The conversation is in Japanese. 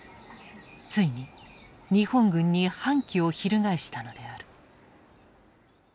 ついに日本軍に反旗を翻したのである。